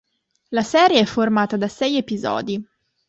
La serie è formata da sei episodi.